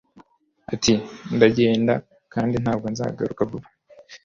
ati ndagenda kandi ntabwo nzagaruka vuba